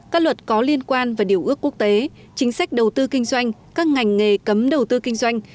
các luật có liên quan và điều ước quốc tế chính sách đầu tư kinh doanh các ngành nghề cấm đầu tư kinh doanh